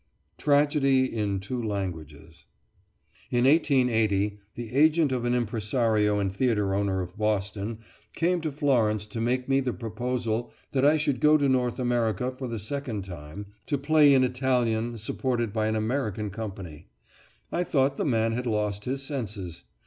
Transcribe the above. TRAGEDY IN TWO LANGUAGES In 1880 the agent of an impresario and theatre owner of Boston came to Florence to make me the proposal that I should go to North America for the second time, to play in Italian supported by an American company. I thought the man had lost his senses.